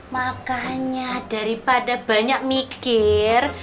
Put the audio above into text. makanya daripada banyak mikir